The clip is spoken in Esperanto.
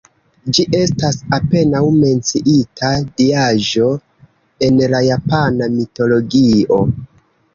Ĝi estas apenaŭ menciita diaĵo en la japana mitologio.